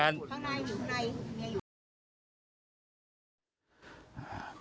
ข้างในอยู่